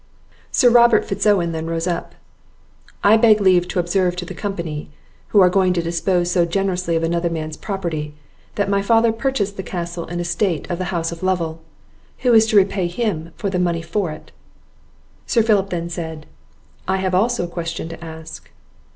Sir Robert Fitz Owen then rose up. "I beg leave to observe to the company, who are going to dispose so generously of another man's property, that my father purchased the castle and estate of the house of Lovel; who is to repay him the money for it?" Sir Philip then said, "I have also a question to ask.